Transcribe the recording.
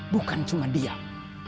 bukan cuma diam